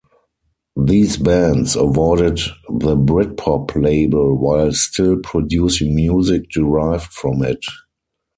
These bands avoided the Britpop label while still producing music derived from it.